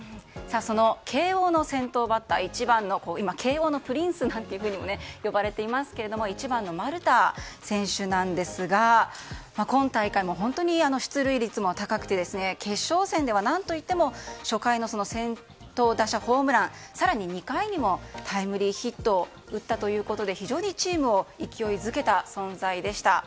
その慶應の先頭バッター慶應のプリンスとも呼ばれていますが１番の丸田選手なんですが今大会、本当に出塁率も高くて決勝戦では、何といっても初回の先頭打者ホームラン更に２回にもタイムリーヒットを打ったということで非常にチームを勢いづけた存在でした。